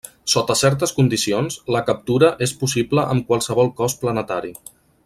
Sota certes condicions, la captura és possible amb qualsevol cos planetari.